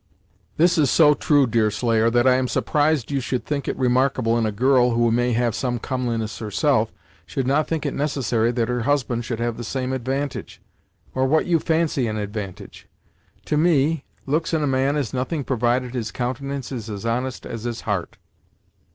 "This is so true, Deerslayer, that I am surprised you should think it remarkable a girl, who may have some comeliness herself, should not think it necessary that her husband should have the same advantage, or what you fancy an advantage. To me, looks in a man is nothing provided his countenance be as honest as his heart."